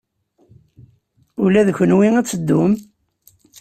Ula d kenwi ad teddum?